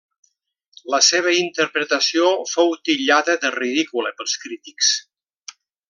La seva interpretació fou titllada de ridícula pels crítics.